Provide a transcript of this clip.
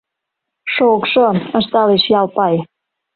— Шокшо, — ышталеш Ялпай.